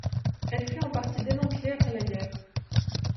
Elle fut en partie démantelé après la guerre.